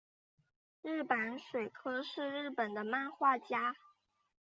日坂水柯是日本的漫画家。